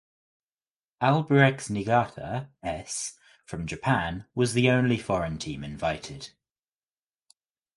Albirex Niigata (S) from Japan was the only foreign team invited.